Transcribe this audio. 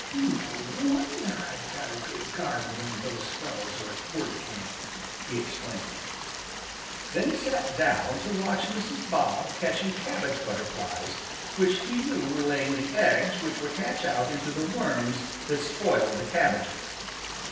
"No wonder I've got a good garden when those fellows are at work in it!" he exclaimed. [Illustration: 0090] Then he sat down to watch Mrs. Bob catching cabbage butterflies which he knew were laying the eggs which would hatch out into the worms that spoiled the cabbages.